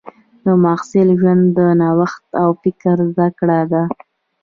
د محصل ژوند د نوښت او فکر زده کړه ده.